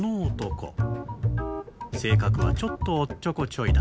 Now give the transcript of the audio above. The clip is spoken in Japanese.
性格はちょっとおっちょこちょいだ。